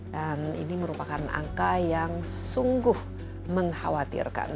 dan ini merupakan angka yang sungguh mengkhawatirkan